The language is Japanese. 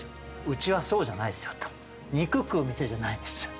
「うちはそうじゃないですよ」と「肉食う店じゃないんですよ」